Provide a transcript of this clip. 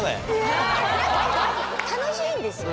楽しいんですよ。